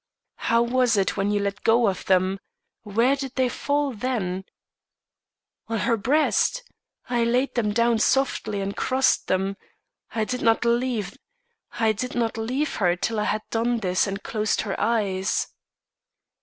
"How was it when you let go of them? Where did they fall then?" "On her breast. I laid them down softly and crossed them. I did not leave her till I had done this and closed her eyes."